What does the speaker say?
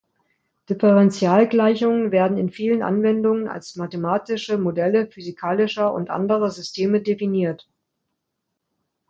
Differentialgleichungen werden in vielen Anwendungen als mathematische Modelle physikalischer und anderer Systeme definiert.